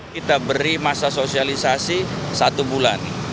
kita beri masa sosialisasi satu bulan